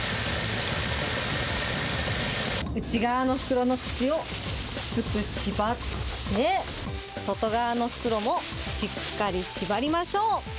内側の袋の口をきつく縛って、外側の袋もしっかり縛りましょう。